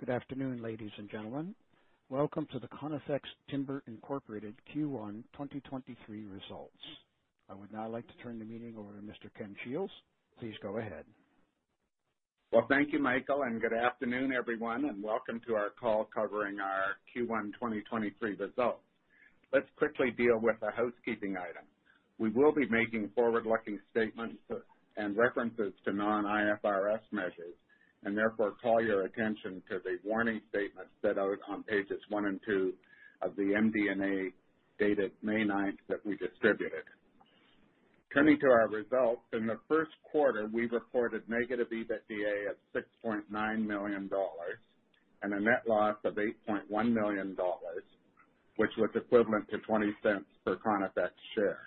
Good afternoon, ladies and gentlemen. Welcome to the Conifex Timber Inc. Q1 2023 results. I would now like to turn the meeting over to Mr. Ken Shields. Please go ahead. Well, thank you, Michael, good afternoon, everyone, and welcome to our call covering our Q1 2023 results. Let's quickly deal with a housekeeping item. We will be making forward-looking statements and references to non-IFRS measures, therefore call your attention to the warning statement set out on pages one and two of the MD&A dated May 9th that we distributed. Turning to our results, in the Q1, we reported negative EBITDA at 6.9 million dollars and a net loss of 8.1 million dollars, which was equivalent to 0.20 per Conifex share.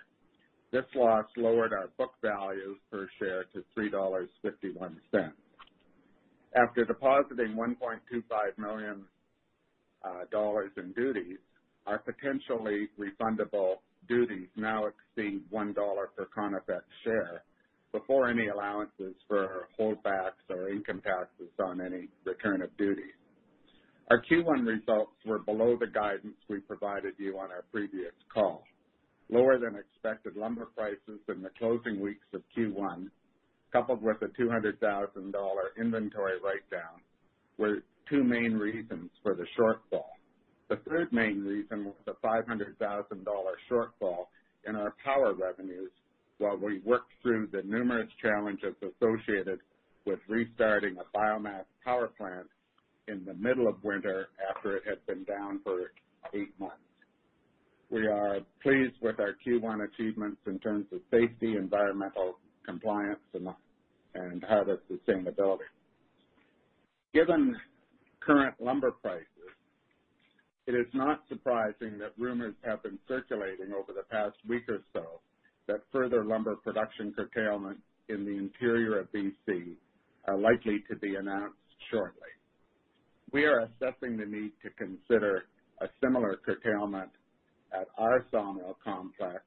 This loss lowered our book value per share to 3.51 dollars. After depositing $1.25 million in duties, our potentially refundable duties now exceed $1 per Conifex share before any allowances for holdbacks or income taxes on any return of duties. Our Q1 results were below the guidance we provided you on our previous call. Lower than expected lumber prices in the closing weeks of Q1, coupled with a 200,000 dollar inventory write-down, were two main reasons for the shortfall. The third main reason was the 500,000 dollar shortfall in our power revenues while we worked through the numerous challenges associated with restarting a biomass power plant in the middle of winter after it had been down for eight months. We are pleased with our Q1 achievements in terms of safety, environmental compliance, and harvest sustainability. Given current lumber prices, it is not surprising that rumors have been circulating over the past week or so that further lumber production curtailment in the interior of BC are likely to be announced shortly. We are assessing the need to consider a similar curtailment at our sawmill complex,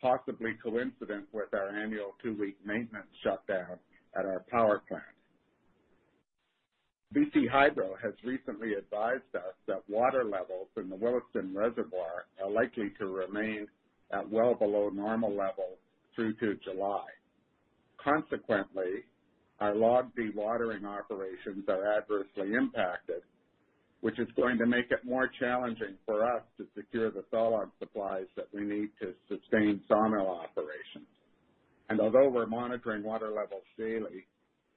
possibly coincident with our annual two-week maintenance shutdown at our power plant. BC Hydro has recently advised us that water levels in the Williston Reservoir are likely to remain at well below normal levels through to July. Consequently, our log dewatering operations are adversely impacted, which is going to make it more challenging for us to secure the sawlog supplies that we need to sustain sawmill operations. Although we're monitoring water levels daily,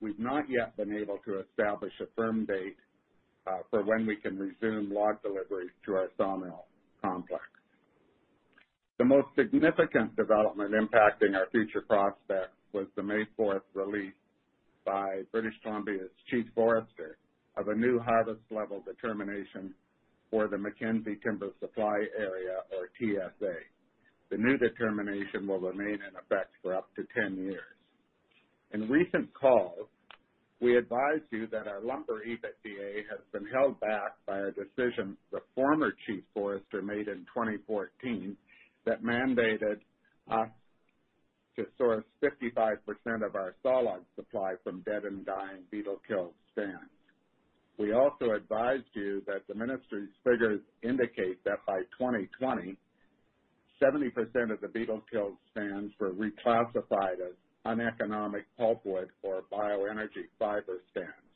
we've not yet been able to establish a firm date for when we can resume log deliveries to our sawmill complex. The most significant development impacting our future prospects was the May fourth release by British Columbia's Chief Forester of a new harvest level determination for the Mackenzie Timber Supply Area, or TSA. The new determination will remain in effect for up to 10 years. In recent calls, we advised you that our lumber EBITDA has been held back by a decision the former Chief Forester made in 2014 that mandated us to source 55% of our sawlog supply from dead and dying beetle kill stands. We also advised you that the Ministry's figures indicate that by 2020, 70% of the beetle kill stands were reclassified as uneconomic pulpwood or bioenergy fiber stands,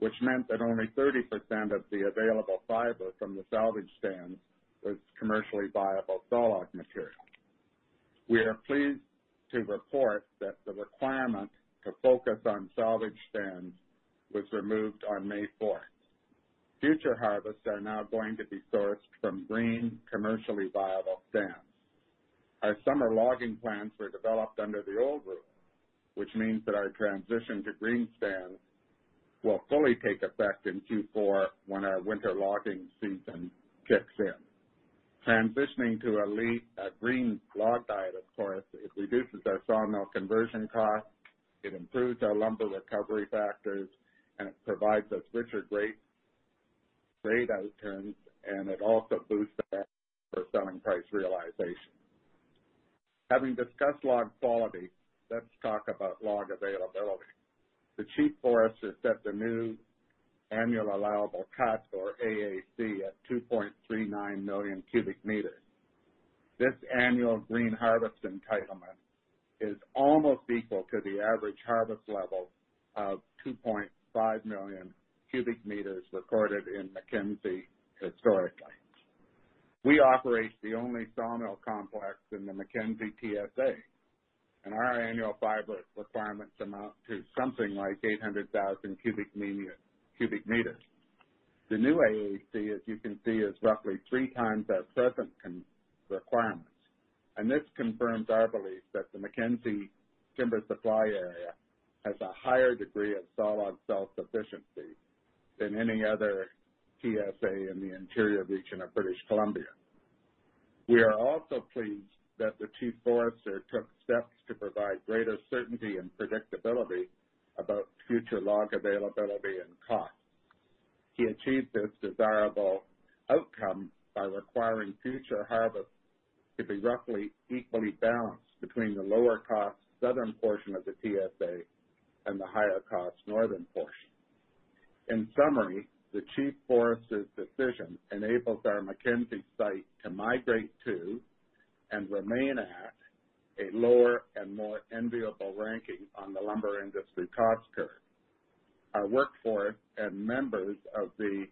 which meant that only 30% of the available fiber from the salvage stands was commercially viable sawlog material. We are pleased to report that the requirement to focus on salvage stands was removed on May fourth. Future harvests are now going to be sourced from green, commercially viable stands. Our summer logging plans were developed under the old rules, which means that our transition to green stands will fully take effect in Q4 when our winter logging season kicks in. Transitioning to a green log diet, of course, it reduces our sawmill conversion costs, it improves our lumber recovery factors, and it provides us richer grade items, and it also boosts our selling price realization. Having discussed log quality, let's talk about log availability. The Chief Forester set the new annual allowable cut, or AAC, at 2.39 million cubic meters. This annual green harvest entitlement is almost equal to the average harvest level of 2.5 million cubic meters recorded in Mackenzie historically. We operate the only sawmill complex in the Mackenzie TSA, and our annual fiber requirements amount to something like 800,000 cubic meters. The new AAC, as you can see, is roughly 3 times our present con-requirements. This confirms our belief that the Mackenzie Timber Supply Area has a higher degree of sawlog self-sufficiency than any other TSA in the interior region of British Columbia. We are also pleased that the Chief Forester took steps to provide greater certainty and predictability about future log availability and cost. He achieved this desirable outcome by requiring future harvests to be roughly equally balanced between the lower cost southern portion of the TSA and the higher cost northern portion. In summary, the Chief Forester's decision enables our Mackenzie site to migrate to and remain at a lower and more enviable ranking on the lumber industry cost curve. Our workforce and members of the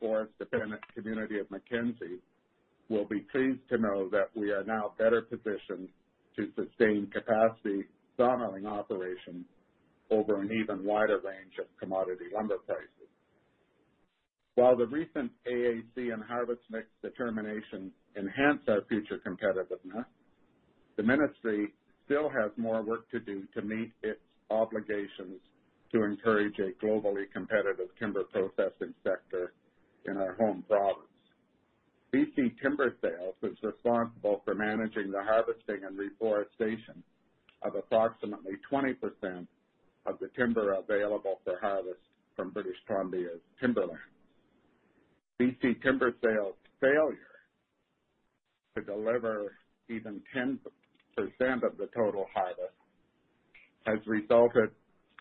forest dependent community of Mackenzie will be pleased to know that we are now better positioned to sustain capacity sawmilling operations over an even wider range of commodity lumber prices. While the recent AAC and harvest mix determination enhance our future competitiveness, the Ministry still has more work to do to meet its obligations to encourage a globally competitive timber processing sector in our home province. BC Timber Sales is responsible for managing the harvesting and reforestation of approximately 20% of the timber available for harvest from British Columbia's timberlands. BC Timber Sales' failure to deliver even 10% of the total harvest has resulted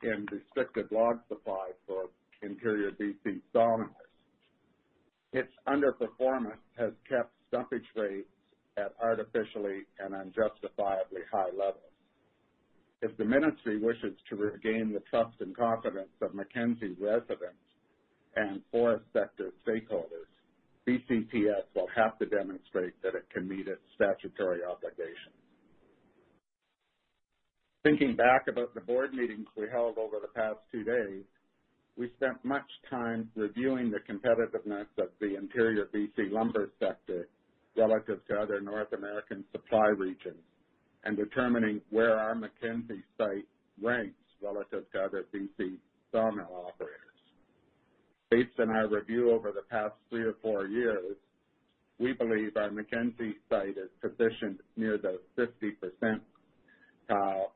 in restricted log supply for interior BC sawmills. Its underperformance has kept stumpage rates at artificially and unjustifiably high levels. If the Ministry wishes to regain the trust and confidence of Mackenzie residents and forest sector stakeholders, BCTS will have to demonstrate that it can meet its statutory obligations. Thinking back about the board meetings we held over the past two days, we spent much time reviewing the competitiveness of the interior BC lumber sector relative to other North American supply regions, and determining where our Mackenzie site ranks relative to other BC sawmill operators. Based on our review over the past three or four years, we believe our Mackenzie site is positioned near the 50%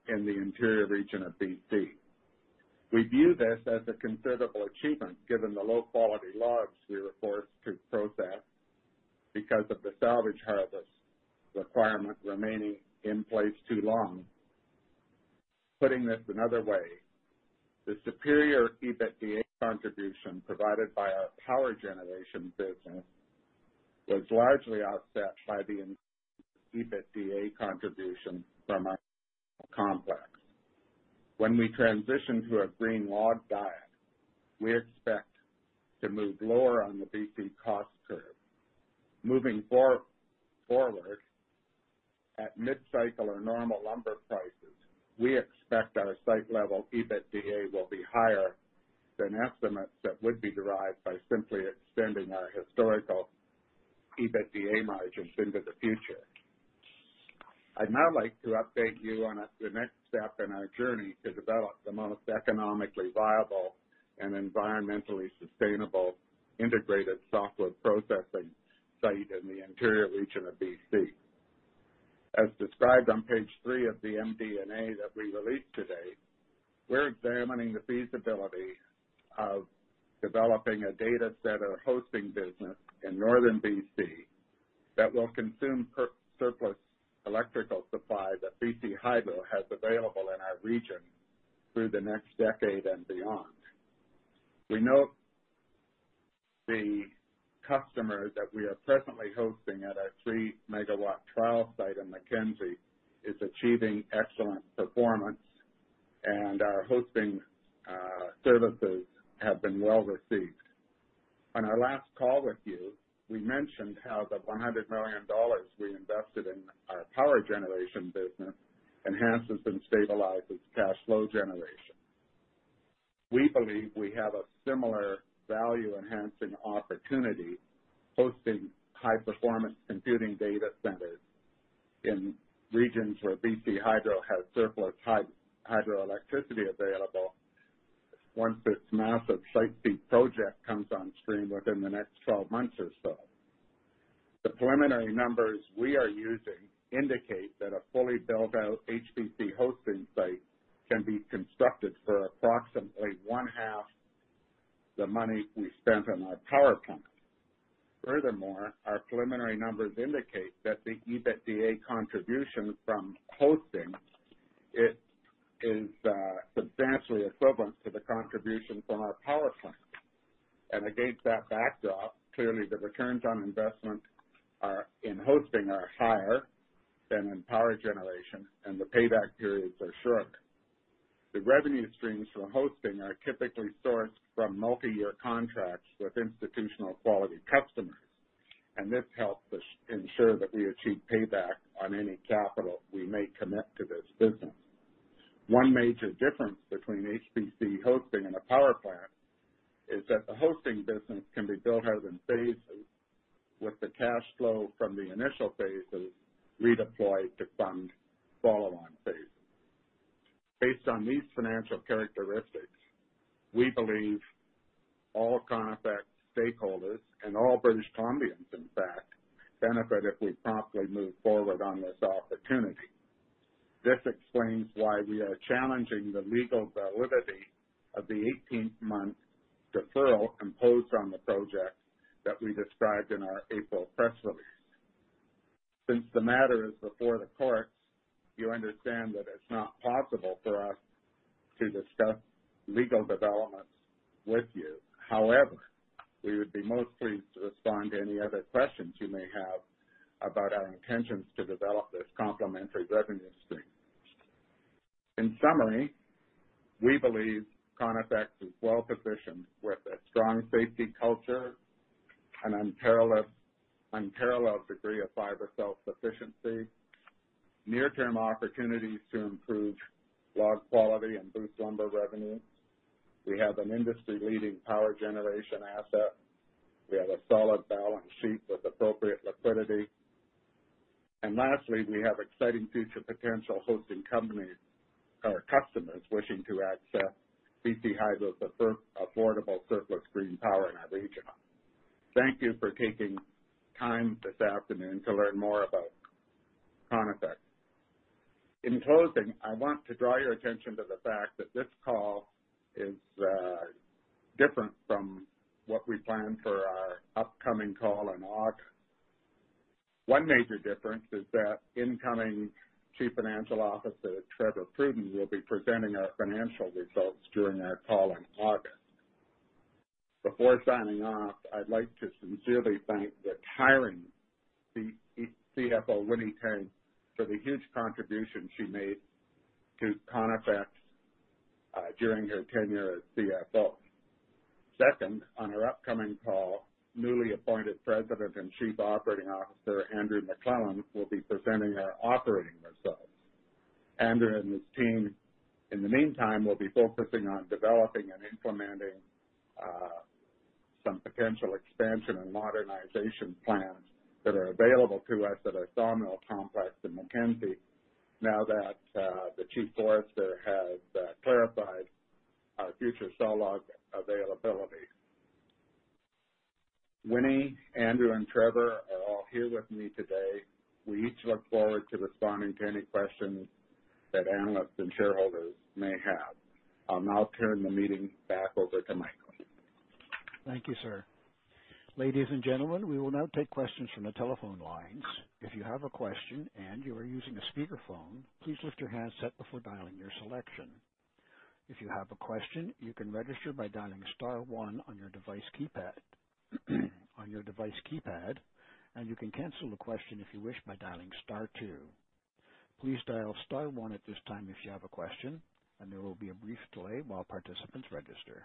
in the interior region of BC. We view this as a considerable achievement given the low-quality logs we were forced to process because of the salvage harvest requirement remaining in place too long. Putting this another way, the superior EBITDA contribution provided by our power generation business was largely offset by the EBITDA contribution from our complex. When we transition to a green log diet, we expect to move lower on the BC cost curve. Moving forward, at mid-cycle or normal lumber prices, we expect our site-level EBITDA will be higher than estimates that would be derived by simply extending our historical EBITDA margins into the future. I'd now like to update you on the next step in our journey to develop the most economically viable and environmentally sustainable integrated softwood processing site in the interior region of BC. As described on page three of the MD&A that we released today, we're examining the feasibility of developing a data center hosting business in northern BC that will consume surplus electrical supply that BC Hydro has available in our region through the next decade and beyond. We note the customer that we are presently hosting at our 3-megawatt trial site in Mackenzie is achieving excellent performance, and our hosting services have been well received. On our last call with you, we mentioned how the 100 million dollars we invested in our power generation business enhances and stabilizes cash flow generation. We believe we have a similar value-enhancing opportunity hosting high-performance computing data centers in regions where BC Hydro has surplus hydroelectricity available once this massive Site C project comes on stream within the next 12 months or so. The preliminary numbers we are using indicate that a fully built-out HPC hosting site can be constructed for approximately one half the money we spent on our power plant. Furthermore, our preliminary numbers indicate that the EBITDA contribution from hosting it is substantially equivalent to the contribution from our power plant. Against that backdrop, clearly the returns on investment are, in hosting are higher than in power generation, and the payback periods are short. The revenue streams for hosting are typically sourced from multi-year contracts with institutional-quality customers, and this helps us ensure that we achieve payback on any capital we may commit to this business. One major difference between HPC hosting and a power plant is that the hosting business can be built out in phases, with the cash flow from the initial phases redeployed to fund follow-on phases. Based on these financial characteristics, we believe all Conifex's stakeholders and all British Columbians, in fact, benefit if we promptly move forward on this opportunity. This explains why we are challenging the legal validity of the 18-month deferral imposed on the project that we described in our April press release. The matter is before the courts, you understand that it's not possible for us to discuss legal developments with you. We would be most pleased to respond to any other questions you may have about our intentions to develop this complementary revenue stream. We believe Conifex is well-positioned with a strong safety culture, an unparalleled degree of fiber self-sufficiency, near-term opportunities to improve log quality and boost lumber revenue. We have an industry-leading power generation asset. We have a solid balance sheet with appropriate liquidity. Lastly, we have exciting future potential hosting companies or customers wishing to access BC Hydro's affordable surplus green power in our region. Thank you for taking time this afternoon to learn more about Conifex. In closing, I want to draw your attention to the fact that this call is different from what we plan for our upcoming call in August. One major difference is that incoming Chief Financial Officer, Trevor Pruden, will be presenting our financial results during our call in August. Before signing off, I'd like to sincerely thank the retiring CFO, Winny Tang, for the huge contribution she made to Conifex during her tenure as CFO. Second, on our upcoming call, newly appointed President and Chief Operating Officer, Andrew McLellan, will be presenting our operating results. Andrew and his team, in the meantime, will be focusing on developing and implementing some potential expansion and modernization plans that are available to us at our sawmill complex in Mackenzie now that the Chief Forester has clarified our future sawlog availability. Winny, Andrew, and Trevor are all here with me today. We each look forward to responding to any questions that analysts and shareholders may have. I'll now turn the meeting back over to Michael. Thank you, sir. Ladies and gentlemen, we will now take questions from the telephone lines. If you have a question and you are using a speakerphone, please lift your handset before dialing your selection. If you have a question, you can register by dialing star one on your device keypad. You can cancel the question if you wish by dialing star two. Please dial star one at this time if you have a question. There will be a brief delay while participants register.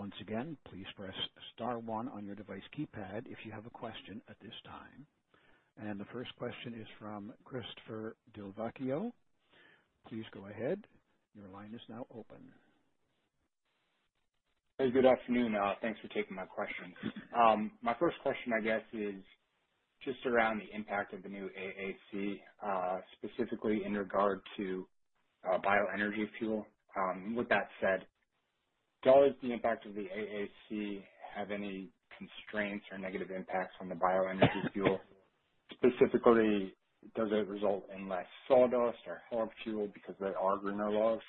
Once again, please press star one on your device keypad if you have a question at this time. The first question is from Christopher Del Vecchio. Please go ahead. Your line is now open. Hey, good afternoon. Thanks for taking my question. My first question, I guess, is just around the impact of the new AAC, specifically in regard to bioenergy fuel. With that said, does the impact of the AAC have any constraints or negative impacts on the bioenergy fuel? Specifically, does it result in less sawdust or fuel because there are greener laws?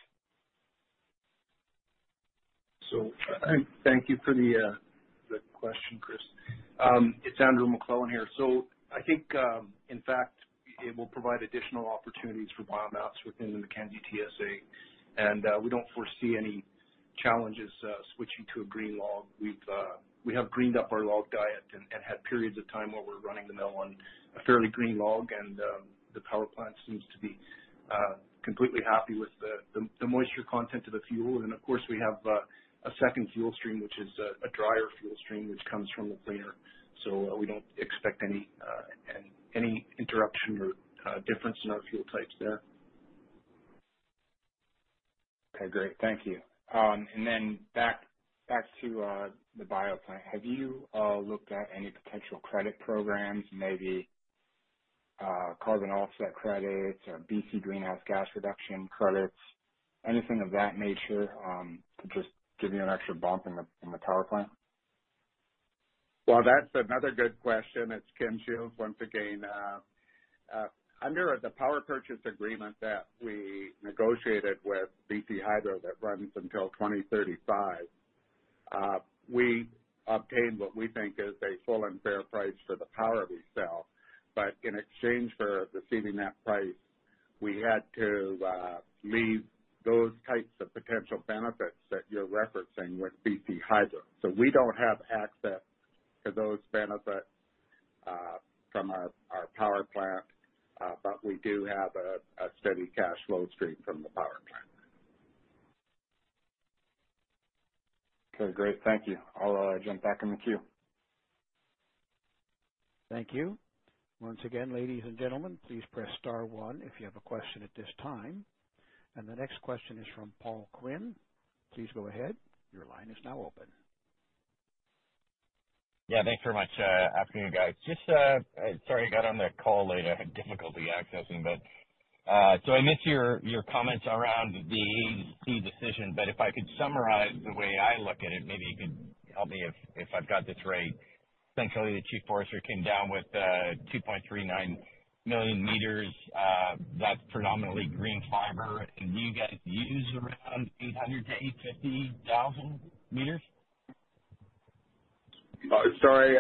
So, uh- Thank you for the question, Chris. It's Andrew McLellan here. I think, in fact, it will provide additional opportunities for biomass within the Mackenzie TSA, and we don't foresee any challenges switching to a green log. We've we have greened up our log diet and had periods of time where we're running the mill on a fairly green log and the power plant seems to be completely happy with the moisture content of the fuel. Of course, we have a second fuel stream, which is a drier fuel stream, which comes from the cleaner. We don't expect any interruption or difference in our fuel types there. Okay, great. Thank you. back to the bio plant. Have you looked at any potential credit programs, maybe carbon offset credits or BC greenhouse gas reduction credits, anything of that nature, to just give you an extra bump in the power plant? That's another good question. It's Ken Shields once again. Under the power purchase agreement that we negotiated with BC Hydro that runs until 2035, we obtained what we think is a full and fair price for the power we sell. In exchange for receiving that price, we had to leave those types of potential benefits that you're referencing with BC Hydro. We don't have access to those benefits from our power plant, but we do have a steady cash flow stream from the power plant. Okay, great. Thank you. I'll jump back in the queue. Thank you. Once again, ladies and gentlemen, please press star one if you have a question at this time. The next question is from Paul Quinn. Please go ahead. Your line is now open. Thanks very much. Afternoon, guys. Sorry I got on the call late. I had difficulty accessing. I missed your comments around the AAC decision, but if I could summarize the way I look at it, maybe you could tell me if I've got this right. Thankfully, the Chief Forester came down with 2.39 million meters. That's predominantly green fiber. Do you guys use around 800,000-850,000 meters? Oh, sorry,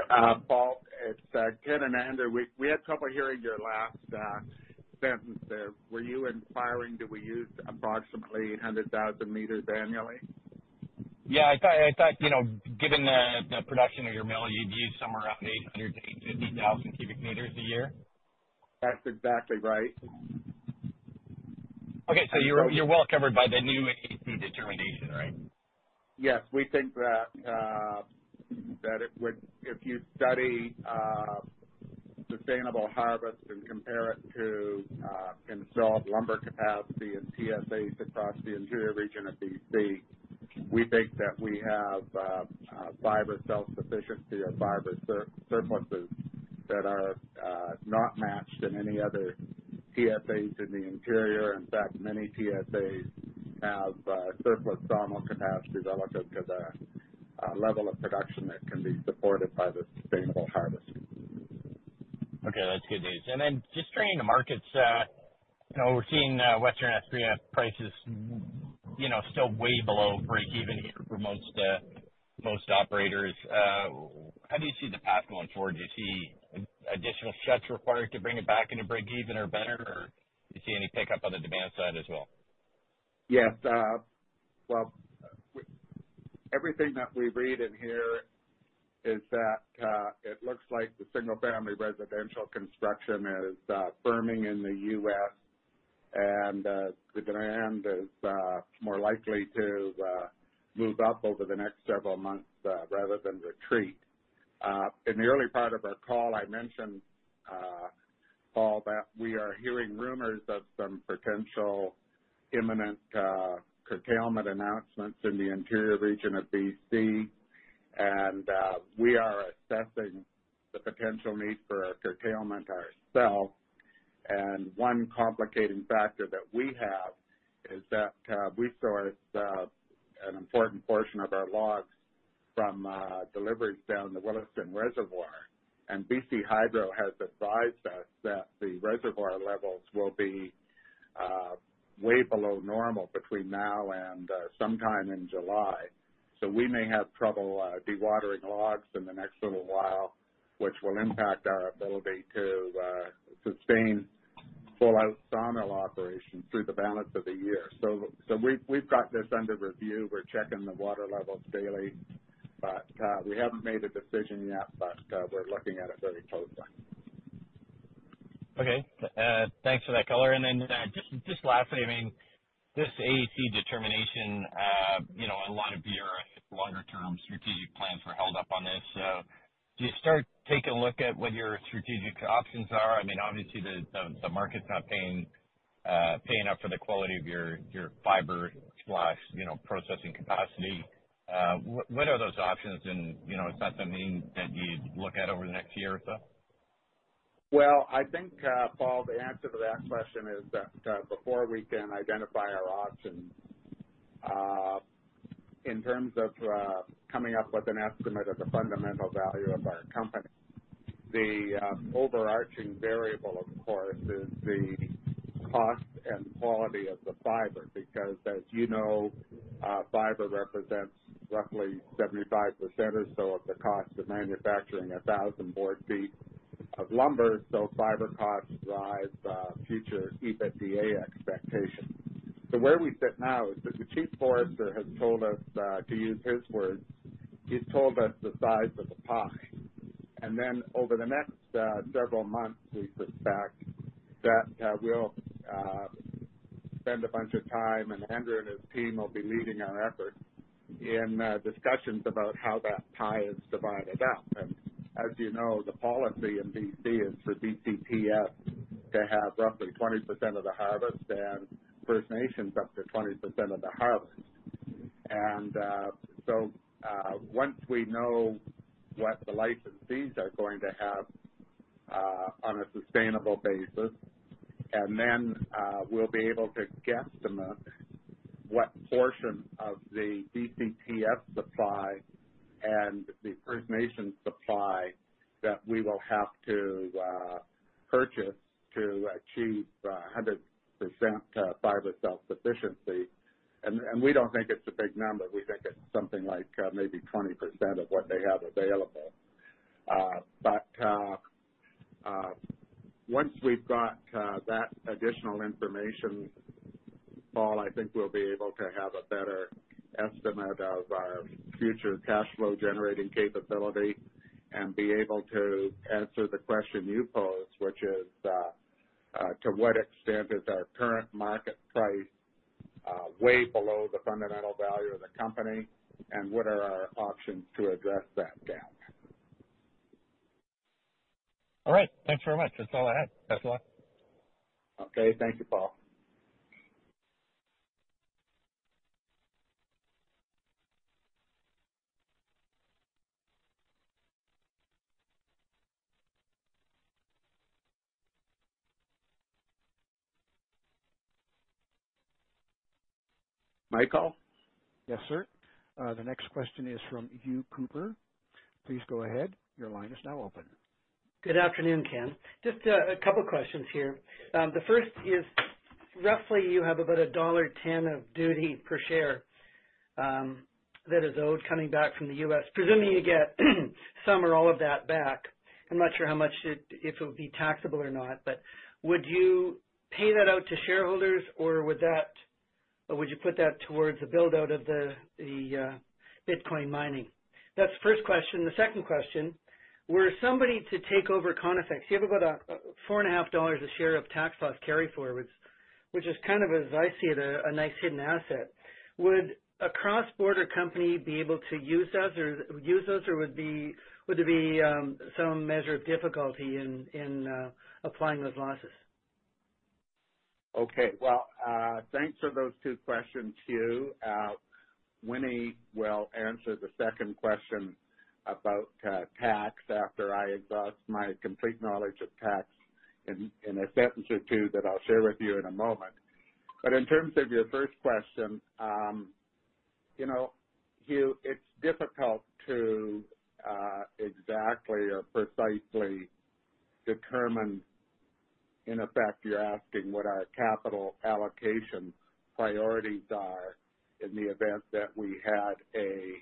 Paul, it's Ken and Andrew. We had trouble hearing your last sentence there. Were you inquiring, do we use approximately 800,000 meters annually? Yeah. I thought, you know, given the production of your mill, you'd use somewhere around 800,000 to 850,000 cubic meters a year. That's exactly right. Okay. You're well covered by the new AAC determination, right? Yes. We think that If you study sustainable harvest and compare it to installed lumber capacity and TSAs across the interior region of BC, we think that we have fiber self-sufficiency or fiber surpluses that are not matched in any other TSAs in the interior. In fact, many TSAs have surplus sawmill capacity relative to the level of production that can be supported by the sustainable harvest. Okay. That's good news. Just turning to markets, you know, we're seeing, Western SPF prices, you know, still way below breakeven here for most operators. How do you see the path going forward? Do you see additional shuts required to bring it back into breakeven or better, or do you see any pickup on the demand side as well? Yes. Well, everything that we read in here is that it looks like the single family residential construction is firming in the U.S., and the demand is more likely to move up over the next several months, rather than retreat. In the early part of our call, I mentioned Paul, that we are hearing rumors of some potential imminent curtailment announcements in the interior region of BC, and we are assessing the potential need for a curtailment ourself. One complicating factor that we have is that we source an important portion of our logs from deliveries down the Williston Reservoir. BC Hydro has advised us that the reservoir levels will be way below normal between now and sometime in July. We may have trouble dewatering logs in the next little while, which will impact our ability to sustain full out sawmill operations through the balance of the year. We've got this under review. We're checking the water levels daily, but we haven't made a decision yet, but we're looking at it very closely. Thanks for that color. Just lastly, I mean, this AAC determination, you know, a lot of your longer term strategic plans were held up on this. Do you start taking a look at what your strategic options are? I mean, obviously the market's not paying enough for the quality of your fiber slash, you know, processing capacity. What are those options, and, you know, is that something that you'd look at over the next year or so? I think Paul, the answer to that question is that before we can identify our options, in terms of coming up with an estimate of the fundamental value of our company, the overarching variable, of course, is the cost and quality of the fiber. As you know, fiber represents roughly 75% or so of the cost of manufacturing 1,000 board feet of lumber, fiber costs drive future EBITDA expectations. Where we sit now is that the Chief Forester has told us, to use his words, he's told us the size of the pie. Over the next several months, we expect that we'll spend a bunch of time, and Andrew and his team will be leading our efforts in discussions about how that pie is divided up. As you know, the policy in BC is for BCTS to have roughly 20% of the harvest and First Nations up to 20% of the harvest. Once we know what the licensees are going to have on a sustainable basis, then we'll be able to guesstimate what portion of the BCTS supply and the First Nations supply that we will have to purchase to achieve 100% fiber self-sufficiency. We don't think it's a big number. We think it's something like maybe 20% of what they have available. Once we've got that additional information, Paul, I think we'll be able to have a better estimate of our future cash flow generating capability and be able to answer the question you posed, which is to what extent is our current market price way below the fundamental value of the company, and what are our options to address that gap? All right. Thanks very much. That's all I had. Best of luck. Okay. Thank you, Paul. Michael? Yes, sir. The next question is from Hugh Cooper. Please go ahead. Your line is now open. Good afternoon, Ken. Just a couple questions here. The first is roughly you have about $1.10 of duty per share that is owed coming back from the U.S. Presuming you get some or all of that back, I'm not sure how much if it would be taxable or not. Would you pay that out to shareholders or would you put that towards the build-out of the Bitcoin mining? That's the first question. The second question, were somebody to take over Conifex, you have about $4.50 a share of tax loss carryforwards, which is kind of, as I see it, a nice hidden asset. Would a cross-border company be able to use those, or would there be some measure of difficulty in applying those losses? Okay. Well, thanks for those two questions, Hugh. Winny will answer the second question about tax after I exhaust my complete knowledge of tax in a sentence or two that I'll share with you in a moment. In terms of your first question, you know, Hugh, it's difficult to exactly or precisely determine. In effect, you're asking what our capital allocation priorities are in the event that we had a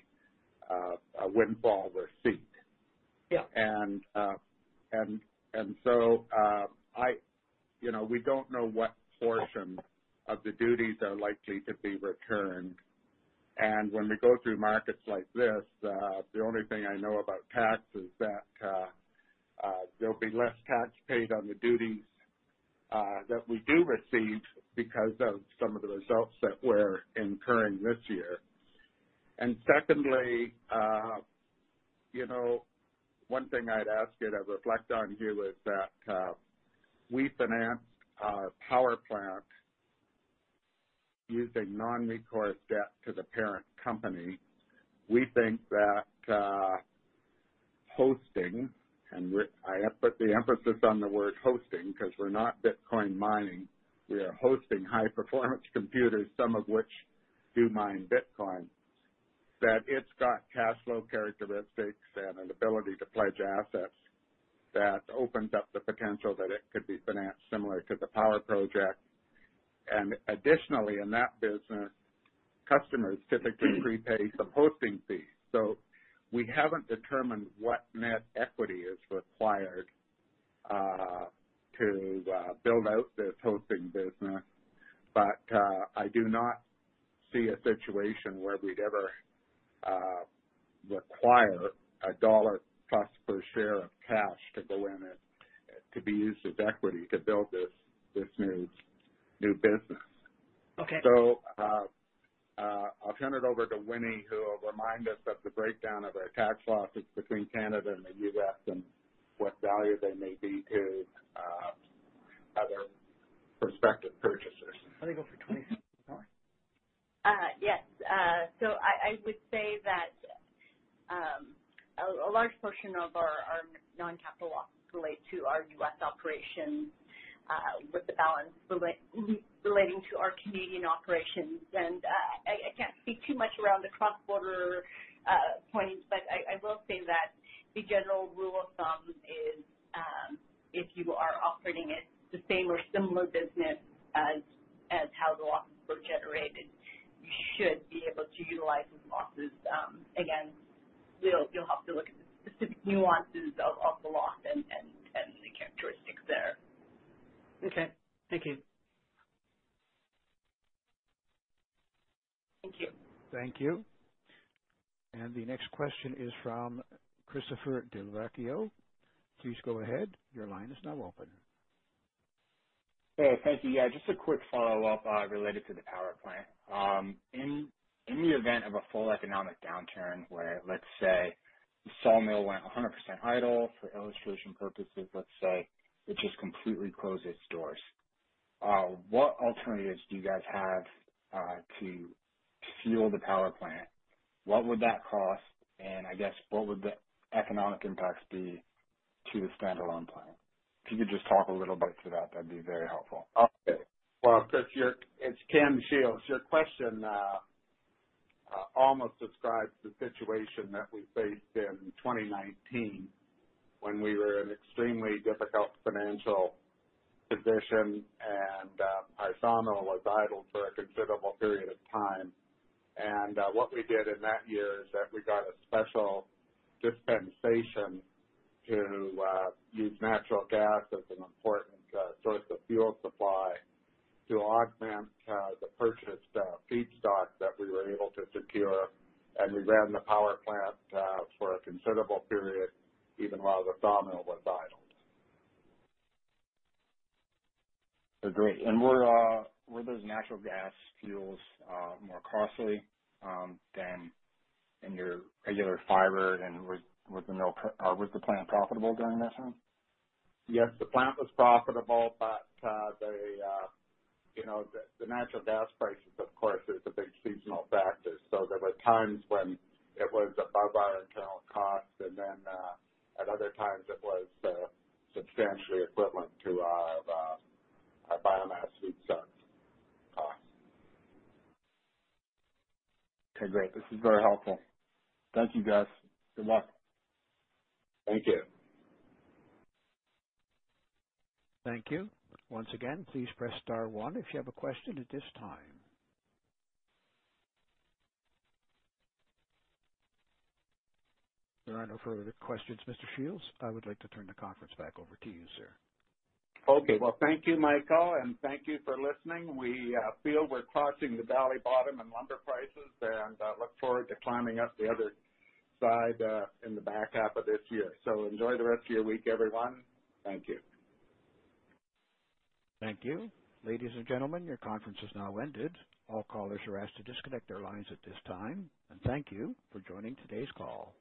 windfall receipt. Yeah. You know, we don't know what portion of the duties are likely to be returned. When we go through markets like this, the only thing I know about tax is that there'll be less tax paid on the duties that we do receive because of some of the results that we're incurring this year. Secondly, you know, one thing I'd ask you to reflect on, Hugh, is that we financed our power plant using non-recourse debt to the parent company. We think that hosting, I put the emphasis on the word hosting because we're not Bitcoin mining, we are hosting high-performance computers, some of which do mine Bitcoin, that it's got cash flow characteristics and an ability to pledge assets that opens up the potential that it could be financed similar to the power project. Additionally, in that business, customers typically prepay some hosting fees. We haven't determined what net equity is required to build out this hosting business. I do not see a situation where we'd ever require CAD 1 plus per share of cash to go in it to be used as equity to build this new business. Okay. I'll turn it over to Winny, who will remind us of the breakdown of our tax losses between Canada and the US and what value they may be to other prospective purchasers. I think we're for 20 seconds more. Yes. So I would say that a large portion of our non-capital losses relate to our U.S. operations, with the balance relating to our Canadian operations. I can't speak too much around the cross-border point, but I will say that the general rule of thumb is if you are operating in the same or similar business as how the losses were generated, you should be able to utilize those losses. Again, you'll have to look at the specific nuances of the loss and the characteristics there. Okay. Thank you. Thank you. Thank you. The next question is from Christopher Del Vecchio. Please go ahead. Your line is now open. Hey, thank you. Yeah, just a quick follow-up related to the power plant. In the event of a full economic downturn where, let's say, the sawmill went 100% idle, for illustration purposes, let's say it just completely closed its doors, what alternatives do you guys have to fuel the power plant? What would that cost? I guess what would the economic impacts be to the standalone plant? If you could just talk a little bit to that'd be very helpful. Okay. Well, Chris, It's Ken Shields. Your question almost describes the situation that we faced in 2019 when we were in extremely difficult financial position and our sawmill was idled for a considerable period of time. What we did in that year is that we got a special dispensation to use natural gas as an important source of fuel supply to augment the purchased feedstock that we were able to secure. We ran the power plant for a considerable period, even while the sawmill was idled. Great. Were those natural gas fuels more costly than in your regular fiber? Was the plant profitable during this time? Yes, the plant was profitable, but, you know, the natural gas prices of course is a big seasonal factor. There were times when it was above our internal cost and then, at other times it was substantially equivalent to our biomass feedstock cost. Okay, great. This is very helpful. Thank you, guys. Good luck. Thank you. Thank you. Once again, please press star one if you have a question at this time. There are no further questions, Mr. Shields. I would like to turn the conference back over to you, sir. Okay. Well, thank you, Michael, and thank you for listening. We feel we're crossing the valley bottom in lumber prices and look forward to climbing up the other side in the back half of this year. Enjoy the rest of your week, everyone. Thank you. Thank you. Ladies and gentlemen, your conference has now ended. All callers are asked to disconnect their lines at this time. Thank you for joining today's call.